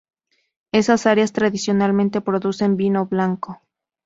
Esas áreas tradicionalmente producen vino blanco.